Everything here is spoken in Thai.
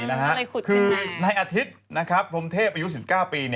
คือในอาทิตย์พรมเทพอายุ๑๙ปี